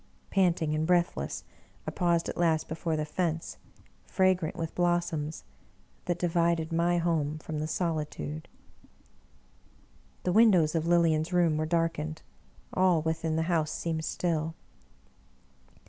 Panting and breathless, I paused at last before the fence, fragrant with blossoms, that divided my home from the solitude. The windows of Lilian's room were darkened ; all within the house seemed still.